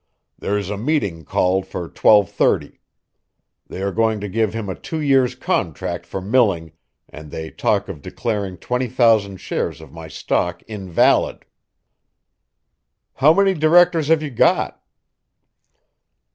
There's a meeting called for twelve thirty. They are going to give him a two years' contract for milling, and they talk of declaring twenty thousand shares of my stock invalid." "How many directors have you got?"